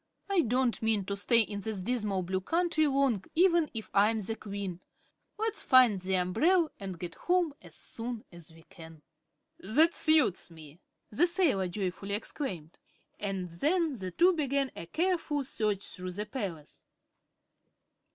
I don't mean to stay in this dismal Blue Country long, even if I am the Queen. Let's find the umbrel and get home as soon as we can." "That suits me," the sailor joyfully exclaimed, and then the two began a careful search through the palace.